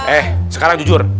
eh sekarang jujur